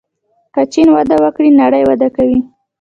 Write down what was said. که چین وده وکړي نړۍ وده کوي.